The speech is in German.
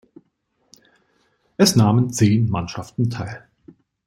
Es nahmen zehn Mannschaften teil.